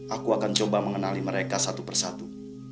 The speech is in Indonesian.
aku akan coba mengenali mereka satu persatu